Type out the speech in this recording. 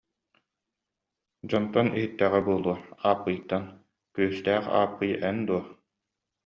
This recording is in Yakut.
Дьонтон иһиттэҕэ буолуо, Ааппыйтан: «Күүстээх Ааппый эн дуо